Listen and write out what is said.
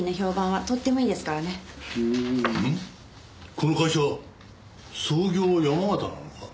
この会社創業は山形なのか？